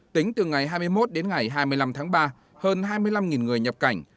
tính từ ngày hai mươi một đến ngày hai mươi năm tháng ba hơn hai mươi năm người nhập cảnh